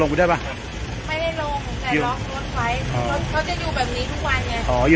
อ๋อต้องกลับมาก่อน